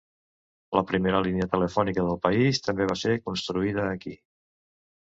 La primera línia telefònica del país també va ser construïda aquí.